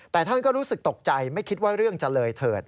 แต่ท่านก็รู้สึกตกใจไม่คิดว่าเรื่องจะเลยเถิด